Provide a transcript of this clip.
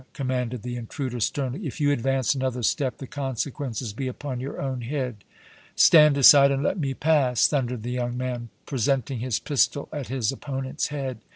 commanded the intruder, sternly. "If you advance another step, the consequences be upon your own head!" "Stand aside and let me pass!" thundered the young man, presenting his pistol at his opponent's head.